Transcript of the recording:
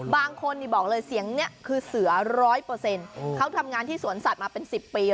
บางคนเนี่ยบอกเลยเสียงเนี้ยคือเสือร้อยเปอร์เซ็นต์เขาทำงานที่สวนสัตว์มาเป็นสิบปี